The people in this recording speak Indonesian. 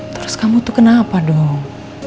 terus kamu tuh kenapa dong